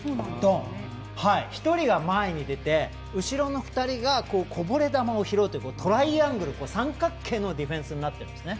１人が前に出て、後ろの２人がこぼれ球を拾うというトライアングル三角形のディフェンスになってるんですよね。